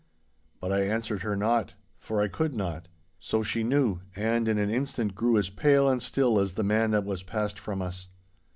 But I answered her not; for I could not. So she knew, and in an instant grew as pale and still as the man that was passed from us.